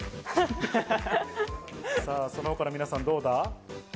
その他の皆さんどうだ？